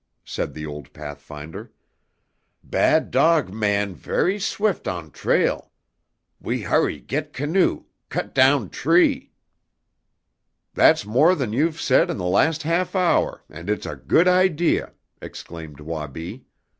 said the old pathfinder. "Bad dog man ver' swift on trail. We hurry get canoe cut down tree!" "That's more than you've said in the last half hour, and it's a good idea!" exclaimed Wabi.